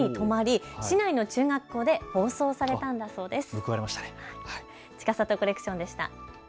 課の目に留まり市内の中学校で放送されたんだそうです。